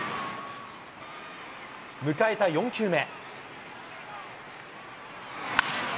迎えた４球目。